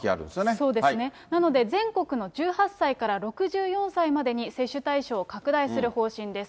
そうですね、なので全国の１８歳から６４歳までに接種対象を拡大する方針です。